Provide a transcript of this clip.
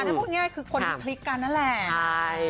อันนี้พูดง่ายคือคนมีคลิกกันนั่นแหละ